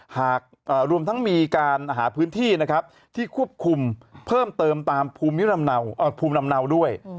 รวมทั้งมีการหาพื้นที่นะครับที่ควบคุมเพิ่มเติมตามภูมิลำเนาด้วย